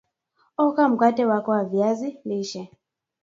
oka mkate wako wa viazi lishe